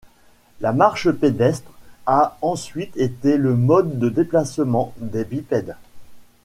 La marche pédestre a ensuite été le mode de déplacement des bipèdes.